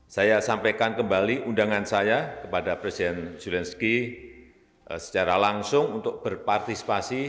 saya sampaikan kembali undangan saya kepada presiden zelensky secara langsung untuk berpartisipasi